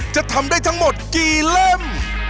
จะทำได้ทั้งหมดกี่เล่ม